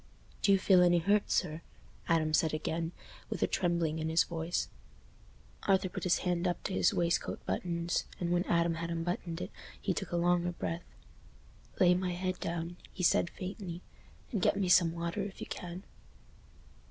"Do you feel any hurt, sir?" Adam said again, with a trembling in his voice. Arthur put his hand up to his waistcoat buttons, and when Adam had unbuttoned it, he took a longer breath. "Lay my head down," he said, faintly, "and get me some water if you can."